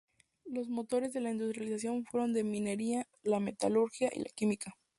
Los motores de la industrialización fueron la minería, la metalurgia y la química.